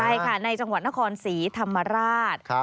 ใช่ค่ะในจังหวัดนครศรีธรรมราช